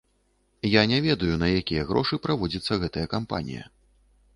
Я не ведаю, на якія грошы праводзіцца гэтая кампанія.